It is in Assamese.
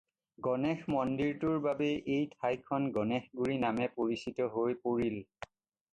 গণেশ মন্দিৰটোৰ বাবেই এই ঠাইখন গণেশগুৰি নামে পৰিচিত হৈ পৰিল।